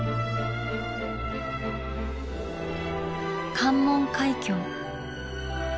関門海峡。